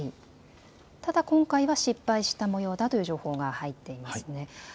ただ今回は失敗したもようだという情報が入っていますね。